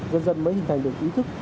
dân dân mới hình thành được ý thức